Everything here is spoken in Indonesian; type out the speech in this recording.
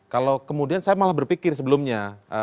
kalau kemudian saya malah berpikir sebelumnya